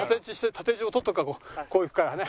こう行くからね。